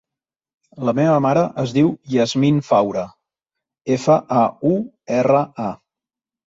La meva mare es diu Yasmin Faura: efa, a, u, erra, a.